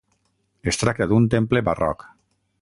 Es tracta d'un temple barroc.